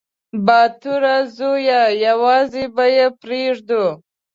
_باتوره زويه! يوازې به يې پرېږدو.